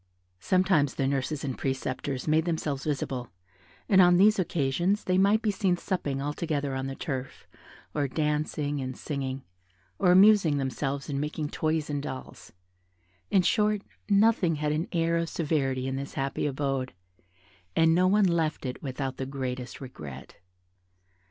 Sometimes the nurses and preceptors made themselves visible, and on these occasions they might be seen supping all together on the turf, or dancing and singing, or amusing themselves in making toys and dolls; in short, nothing had an air of severity in this happy abode, and no one left it without the greatest regret.